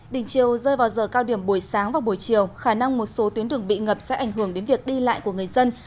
đỉnh chiều rơi vào giờ cao điểm buổi sáng và buổi chiều khả năng một số tuyến đường bị ngập sẽ ảnh hưởng đến việc đi lại của người dân